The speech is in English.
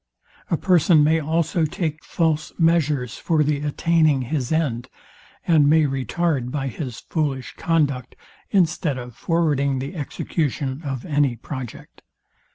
A person may also take false measures for the attaining his end, and may retard, by his foolish conduct, instead of forwarding the execution of any project.